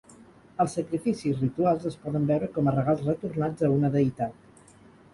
Els sacrificis rituals es poden veure com a regals retornats a una deïtat.